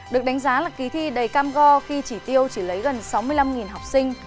được đánh giá là kỳ thi đầy cam go khi chỉ tiêu chỉ lấy gần sáu mươi năm học sinh